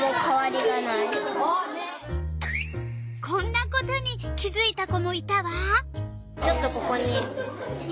こんなことに気づいた子もいたわ。